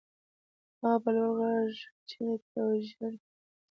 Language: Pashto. هغه په لوړ غږ چیغې کړې او ژر پورته شو